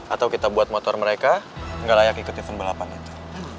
atau kita buat motor mereka enggak layak ikut tim balapan itu